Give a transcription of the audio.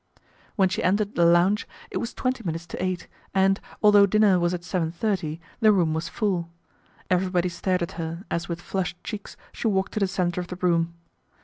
When she entered the lounge it was twenty minutes to eight and, although dinner was at seven thirty, the room was full. Everybody stared at her as with flushed cheeks she walked to the centre of the room.